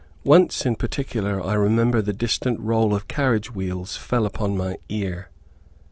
Once in particular, I remember, the distant roll of carriage wheels fell upon my ear.